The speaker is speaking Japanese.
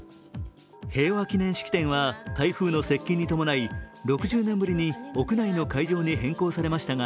平和祈念式典は台風の接近に伴い、６０年ぶりに屋内の会場に変更されましたが